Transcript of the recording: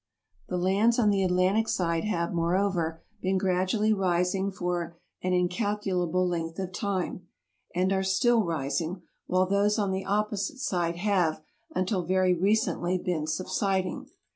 The lands on the Atlantic side have, moreover, been gradually rising for an incalcu lable length of time, and are still rising, while those on the opposite side have, until very recently, been subsiding.